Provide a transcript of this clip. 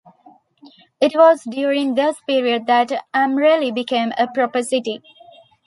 It was during this period that Amreli became a proper city.